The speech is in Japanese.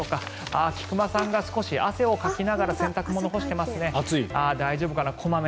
ああ、菊間さんが少し汗をかきながら洗濯物を干していますね。